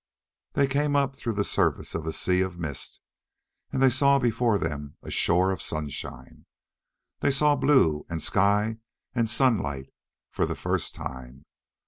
They came up through the surface of a sea of mist, and they saw before them a shore of sunshine. They saw blue and sky and sunlight for the first time.